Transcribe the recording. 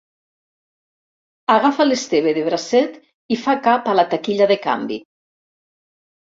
Agafa l'Esteve de bracet i fa cap a la taquilla de canvi.